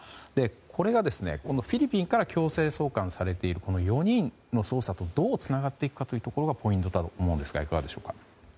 これが、フィリピンから強制送還されている４人の捜査とどうつながっていくかがポイントだと思うんですがいかがでしょうか。